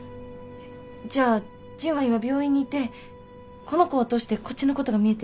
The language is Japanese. じゃあジュンは今病院にいてこの子を通してこっちのことが見えてるってこと？